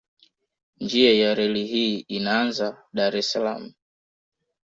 Njia ya reli hii inaanza Dar es Salaam